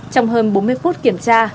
trong hơn bốn mươi phút kiểm tra